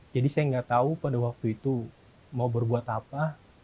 jadi saya tidak tahu pada waktu itu mau berbuat apa